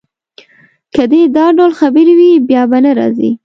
که دي دا ډول خبرې وې، بیا به نه راځې.